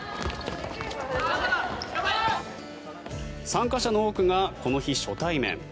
参加者の多くがこの日、初対面。